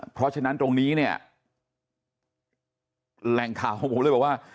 เพราะฉะนั้นตรงนี้แหล่งข่าวของผมเลยว่า